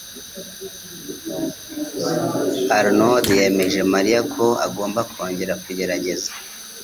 Arnaud yemeje Mariya ko agomba kongera kugerageza.